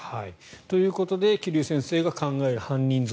ということで桐生先生が考える犯人像